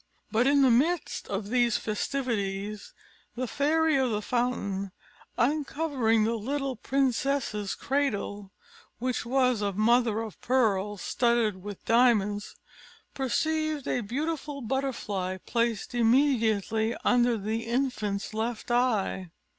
But in the midst of these festivities the Fairy of the Fountain, uncovering the little princess's cradle, which was of mother o' pearl studded with diamonds, perceived a beautiful butterfly, placed immediately under the infant's left eye.